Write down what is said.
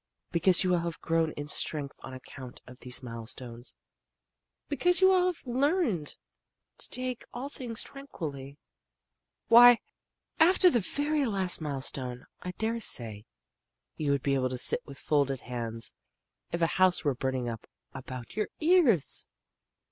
"Because you will have grown in strength on account of these milestones; because you will have learned to take all things tranquilly. Why, after the very last milestone I daresay you would be able to sit with folded hands if a house were burning up about your ears!"